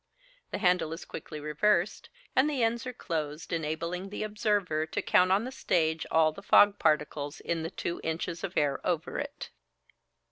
The handle is quickly reversed, and the ends are closed, enabling the observer to count on the stage all the fog particles in the two inches of air over it.